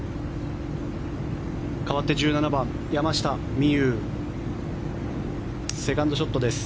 かわって１７番、山下美夢有セカンドショットです。